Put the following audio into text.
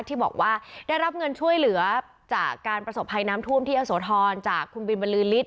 ที่บอกว่าได้รับเงินช่วยเหลือจากการประสบภัยน้ำท่วมที่ยะโสธรจากคุณบินบรรลือฤท